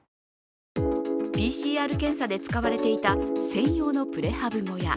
ＰＣＲ検査で使われていた専用のプレハブ小屋。